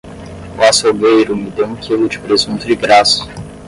O açougueiro me deu um quilo de presunto de graça!